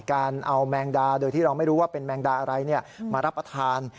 การเอาแมงดาโดยที่เราไม่รู้ว่าเป็นแมงดาอะไรมารับประทาน